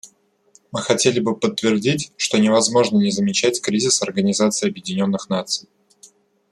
Мы хотели бы подтвердить, что невозможно не замечать кризис Организации Объединенных Наций.